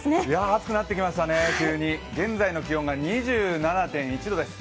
暑くなってきましたね、急に現在の気温が２７．１度です。